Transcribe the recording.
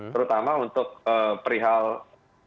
terutama untuk perihal jauhman